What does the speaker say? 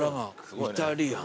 イタリアン。